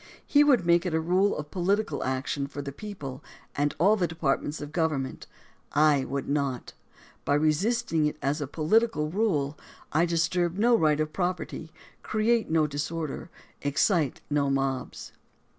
He would make it a rule of political action for the people and all the departments of the government. I would not. By re sisting it as a political rule, I disturb no right of property, create no disorder, excite no mobs.